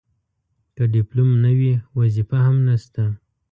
که ډیپلوم نه وي وظیفه هم نشته.